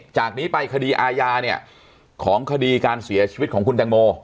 จากนี้ไปคดีอาญาเนี่ยของคดีการเสียชีวิตของคุณแตงโม